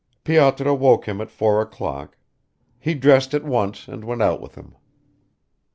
Pyotr woke him at four o'clock; he dressed at once and went out with him.